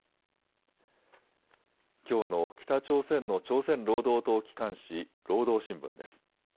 きょうの北朝鮮の朝鮮労働党機関紙、労働新聞です。